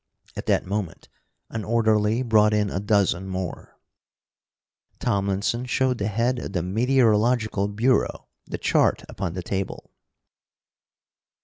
At that moment an orderly brought in a dozen more. Tomlinson showed the head of the Meteorological Bureau the chart upon the table.